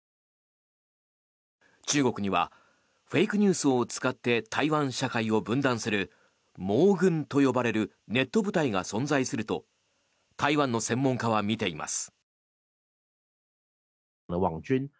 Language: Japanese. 中国にはフェイクニュースを使って台湾社会を分断する網軍と呼ばれるネット部隊が存在すると台湾の専門家は見ています。